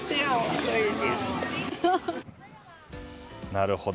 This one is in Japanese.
なるほど。